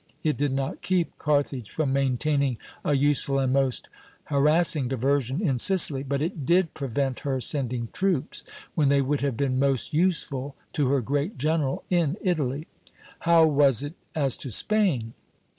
It did not keep Carthage from maintaining a useful and most harassing diversion in Sicily; but it did prevent her sending troops, when they would have been most useful, to her great general in Italy. How was it as to Spain?